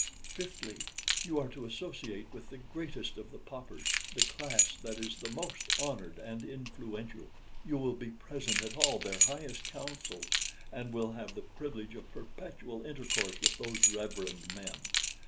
"Fifthly, you are to associate with the greatest of the paupers, the class that is the most honored and influential. You will be present at all their highest councils, and will have the privilege of perpetual intercourse with those reverend men.